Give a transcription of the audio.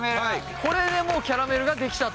これでもうキャラメルが出来たと。